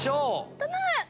頼む。